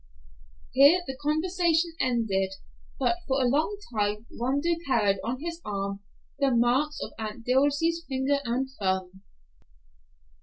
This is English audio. Here the conversation ended, but for a long time Rondeau carried on his arm the marks of Aunt Dilsey's finger and thumb.